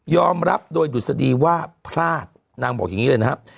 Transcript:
รับโดยดุษฎีว่าพลาดนางบอกอย่างนี้เลยนะครับ